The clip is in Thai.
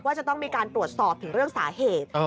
จะต้องมีการตรวจสอบถึงเรื่องสาเหตุ